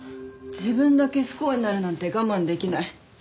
自分だけ不幸になるなんて我慢できない。